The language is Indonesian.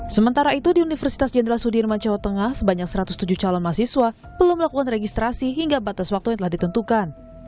sementara itu di universitas jenderal sudirman jawa tengah sebanyak satu ratus tujuh calon mahasiswa belum melakukan registrasi hingga batas waktu yang telah ditentukan